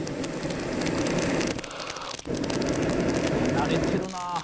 「慣れてるなあ」